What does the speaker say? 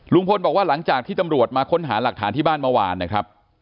บอกว่าหลังจากที่ตำรวจมาค้นหาหลักฐานที่บ้านเมื่อวานนะครับ